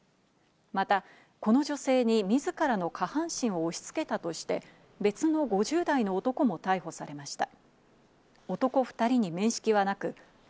またこの女性に、みずからの下半身を押し付けたとして、別の５０代の男も逮捕されました。